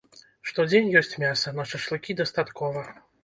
Штодзень ёсць мяса, на шашлыкі дастаткова.